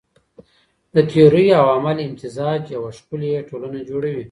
د تيوري او عمل امتزاج يوه ښکلې ټولنه جوړوي.